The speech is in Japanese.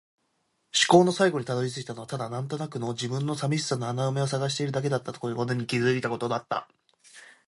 思考の最後に辿り着いたのはただ、なんとなくの自分の寂しさの穴埋めを探しているだけだったことに気がついたことだった。